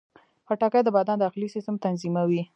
خټکی د بدن داخلي سیستم تنظیموي.